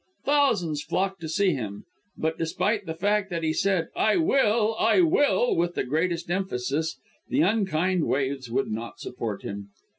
Thousands flocked to see him, but despite the fact that he said "I will! I will!" with the greatest emphasis, the unkind waves would not support him.